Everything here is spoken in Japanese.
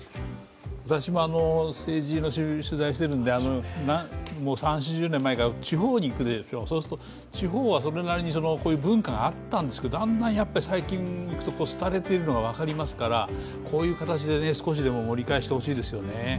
私も政治の取材をしているの、３０４０年前から地方に行くでしょ、そうすると地方はそれなりにこういう文化があったんですけどだんだんやっぱり最近行くと廃れているのが分かりますからこういう形で少しでも盛り返してほしいですよね。